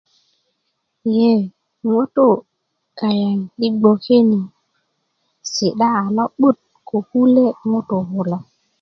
ye ŋutu kayaŋ i bgoke ni si'da a lo'but ko kule ŋutu kulo